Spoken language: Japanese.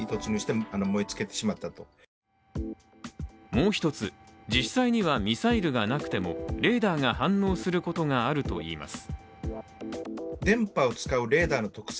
もう一つ、実際にはミサイルがなくてもレーダーが反応することがあるといいます。